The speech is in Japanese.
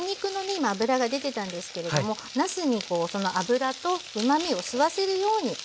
今脂が出てたんですけれどもなすにその脂とうまみを吸わせるように炒めていきますね。